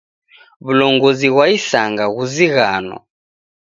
W'ulongozi ghwa isanga ghuzighano.